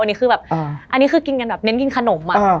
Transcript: อันนี้คือแบบอันนี้คือกินกันแบบเน้นกินขนมอ่ะ